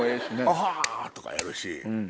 「アハ！」とかやるし。